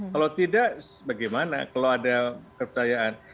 kalau tidak bagaimana kalau ada kepercayaan